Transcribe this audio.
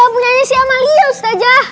punya si amalia ustadz jah